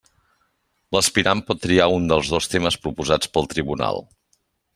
L'aspirant pot triar un dels dos temes proposats pel tribunal.